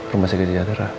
rumah segera jatara